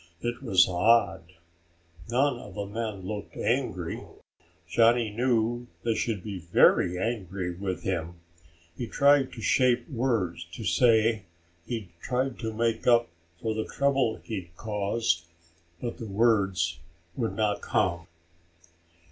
It was odd. None of the men looked angry. Johnny knew they should be very angry with him. He tried to shape words to say he'd try to make up for the trouble he'd caused, but the words would not come.